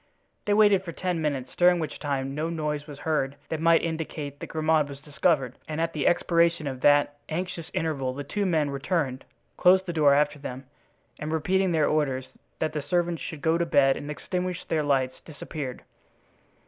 They waited for ten minutes, during which time no noise was heard that might indicate that Grimaud was discovered, and at the expiration of that anxious interval the two men returned, closed the door after them, and repeating their orders that the servants should go to bed and extinguish their lights, disappeared.